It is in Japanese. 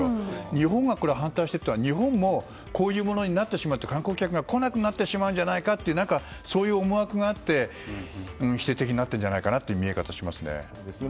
日本が反対していたら、日本もこういうものになってしまって観光客が来なくなってしまうんじゃないかというそういう思惑があって否定的になってるんじゃないかという見え方をしてしまいますね。